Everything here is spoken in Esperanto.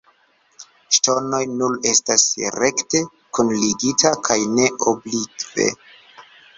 Ŝtonoj nur estas rekte kunligita kaj ne oblikve.